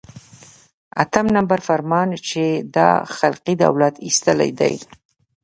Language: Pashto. اتم نمبر فرمان چې دا خلقي دولت ایستلی دی.